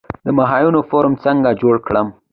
د ماهیانو فارم څنګه جوړ کړم؟